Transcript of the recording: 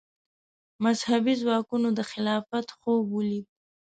مذهبي ځواکونو د خلافت خوب ولید